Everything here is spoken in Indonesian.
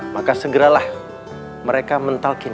maka segeralah mereka mentalkin